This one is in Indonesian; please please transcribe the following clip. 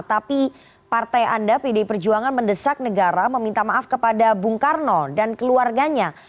tapi partai anda pdi perjuangan mendesak negara meminta maaf kepada bung karno dan keluarganya